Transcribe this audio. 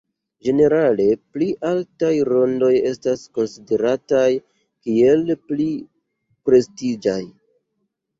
Ĝenerale pli altaj rondoj estas konsiderataj kiel pli prestiĝaj.